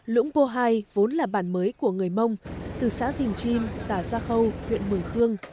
lũng pô hai vốn là bản mới của người mông từ xã dình chim tà gia khâu huyện mường khương